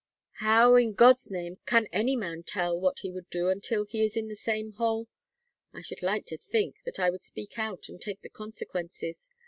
"How, in God's name, can any man tell what he would do until he is in the same hole? I should like to think that I would speak out and take the consequences.